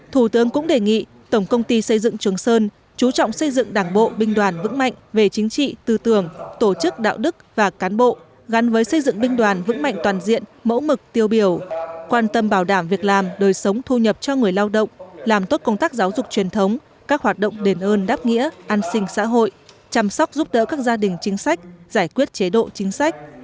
thủ tướng cũng đề nghị tổng công ty xây dựng trường sơn chú trọng xây dựng đảng bộ binh đoàn vững mạnh về chính trị tư tưởng tổ chức đạo đức và cán bộ gắn với xây dựng binh đoàn vững mạnh toàn diện mẫu mực tiêu biểu quan tâm bảo đảm việc làm đời sống thu nhập cho người lao động làm tốt công tác giáo dục truyền thống các hoạt động đền ơn đáp nghĩa an sinh xã hội chăm sóc giúp đỡ các gia đình chính sách giải quyết chế độ chính sách